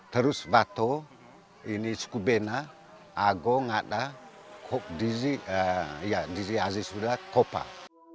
terus wahto ini suku bena ago ngada dizi azi kopah